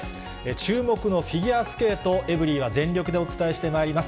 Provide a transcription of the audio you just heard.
注目のフィギュアスケート、エブリィは全力でお伝えしてまいります。